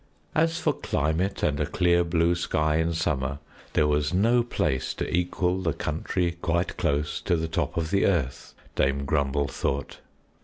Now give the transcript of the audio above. As for climate and a clear blue sky in summer, there was no place to equal the country quite close to the top of the earth, Dame Grumble thought.